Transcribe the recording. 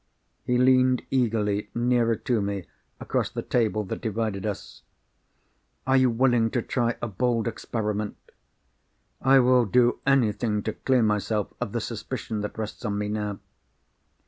He leaned eagerly nearer to me across the table that divided us. "Are you willing to try a bold experiment?" "I will do anything to clear myself of the suspicion that rests on me now."